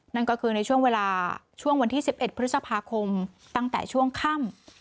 นั่นก็คือในช่วงเวลาช่วงวันที่๑๑พฤษภาคมตั้งแต่ช่วงค่ำ